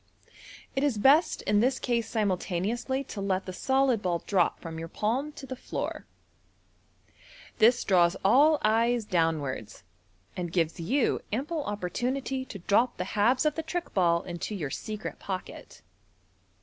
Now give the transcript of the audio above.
It is best in this case simultaneously to let the solid ball drop from your palm to the floor. This draws all eyes downwards, and gives you ample oppor tunity to drop the halves of the trick ball into your secret pocket.